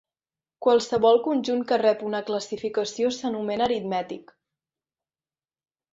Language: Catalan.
Qualsevol conjunt que rep una classificació s'anomena aritmètic.